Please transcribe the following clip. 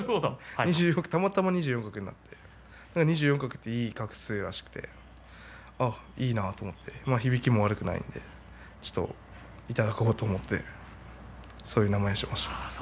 たまたま２４画になっていい画数らしくていいなと思って響きも悪くないんでいただこうと思ってそういう名前にしました。